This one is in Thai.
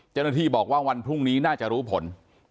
จนทีบอกว่าวันพรุ่งนี้น่าจะรู้ผล